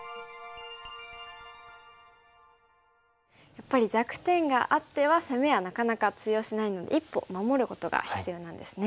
やっぱり弱点があっては攻めはなかなか通用しないので一歩守ることが必要なんですね。